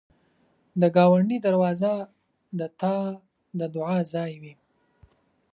د ګاونډي دروازه د تا د دعا ځای وي